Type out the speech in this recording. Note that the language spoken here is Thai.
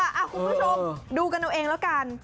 คุณผู้ชมดูกันเอาเองแล้วกัน